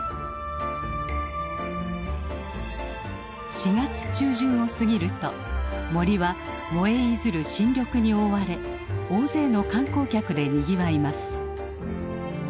４月中旬を過ぎると森は萌え出ずる新緑に覆われ大勢の観光客でにぎわいます。